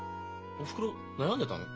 おふくろ悩んでたの？